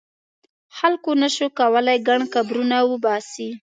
خلکو نه شو کولای ګڼ قبرونه وباسي.